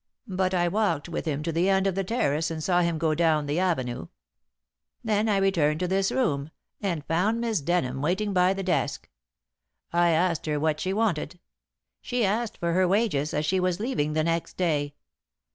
But I walked with him to the end of the terrace and saw him go down the avenue. Then I returned to this room, and found Miss Denham waiting by the desk. I asked her what she wanted. She asked for her wages, as she was leaving the next day.